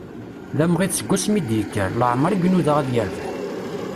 D amɣid seg wasmi i d-ikker, leɛmer i inuda ad yerbeḥ.